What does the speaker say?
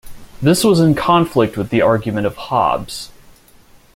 This was in conflict with the argument of Hobbes.